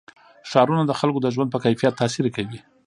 ښارونه د خلکو د ژوند په کیفیت تاثیر کوي.